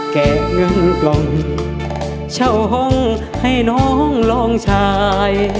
เห็ดเงินปล่องเช้าห้องให้น้องรองชาย